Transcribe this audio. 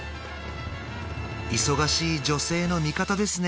忙しい女性の味方ですね